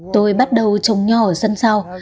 tôi bắt đầu trồng nho ở sân sau